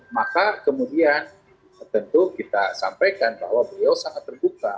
maka kemudian tentu kita sampaikan bahwa beliau sangat terbuka